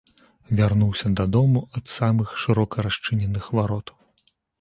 Вярнуўся дадому ад самых шырока расчыненых варот.